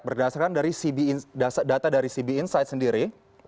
berdasarkan dari data dari cb insight sendiri